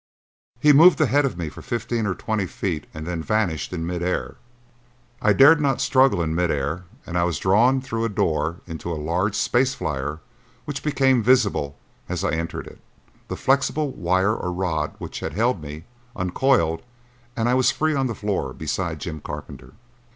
He moved ahead of me for fifteen or twenty feet and then vanished in mid air. I dared not struggle in mid air and I was drawn through a door into a large space flyer which became visible as I entered it. The flexible wire or rod which had held me uncoiled and I was free on the floor beside Jim Carpenter.